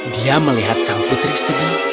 dia melihat sang putri sedih